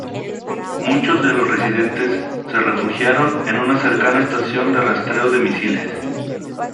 Muchos de los residentes se refugiaron en una cercana estación de rastreo de misiles.